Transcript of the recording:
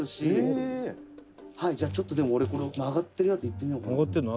「はいじゃあちょっとでも俺この曲がってるやついってみようかな」